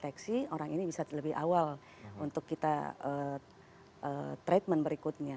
jadi kita harus berharap untuk mendeteksi lebih awal untuk kita treatment berikutnya